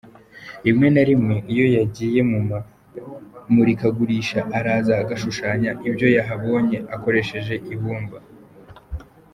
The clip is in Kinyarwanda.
Rimwe na rimwe iyo yagiye mu mamurikagurisha araza agashushanya ibyo yahabonye akoresheje ibumba.